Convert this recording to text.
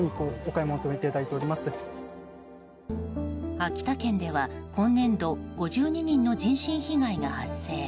秋田県では今年度５２人の人身被害が発生。